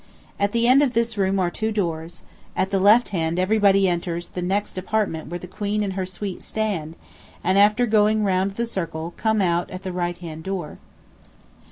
At the end of this room are two doors: at the left hand everybody enters the next apartment where the Queen and her suite stand, and after going round the circle, come out at the right hand door.